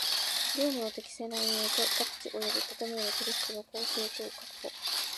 業務の適正な運営と宅地及び建物の取引の公正とを確保